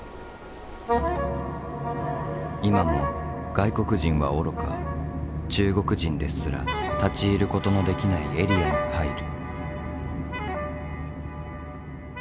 今も外国人はおろか中国人ですら立ち入ることのできないエリアに入る。